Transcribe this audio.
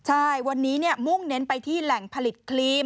ใช่วันนี้มุ่งเน้นไปที่แหล่งผลิตครีม